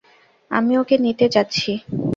আমি ওকে নিতে যাচ্ছি।